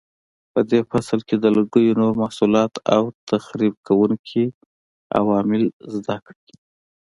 په دې فصل کې د لرګیو نور محصولات او تخریب کوونکي عوامل زده کړئ.